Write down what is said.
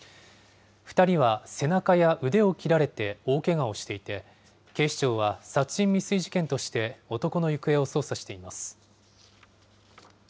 ２人は背中や腕を切られて大けがをしていて、警視庁は殺人未遂事件として、男の行方を捜査しています。